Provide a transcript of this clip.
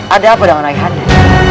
ada apa dengan rakyatnya